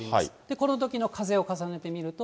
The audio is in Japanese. このときの風を重ねてみると。